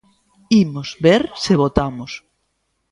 Imos ver se votamos.